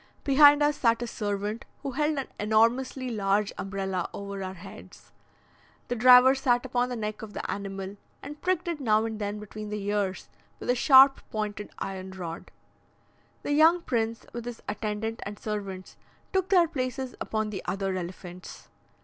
Behind us sat a servant, who held an enormously large umbrella over our heads. The driver sat upon the neck of the animal, and pricked it now and then between the ears with a sharp pointed iron rod. The young prince, with his attendant and servants, took their places upon the other elephants.